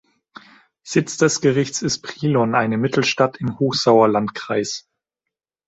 Sitz des Gerichts ist Brilon, eine Mittelstadt im Hochsauerlandkreis.